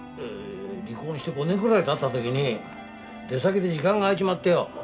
離婚して５年ぐらい経った時に出先で時間が空いちまってよ